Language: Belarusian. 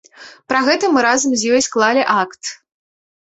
Пра гэта мы разам з ёй склалі акт.